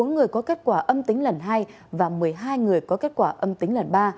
bốn người có kết quả âm tính lần hai và một mươi hai người có kết quả âm tính lần ba